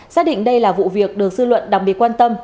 xác định đây là vụ việc được dư luận đặc biệt quan tâm